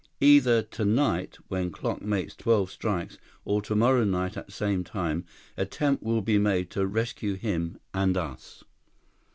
Either tonight, when clock makes twelve strikes, or tomorrow night at same time, attempt will be made to rescue him and us."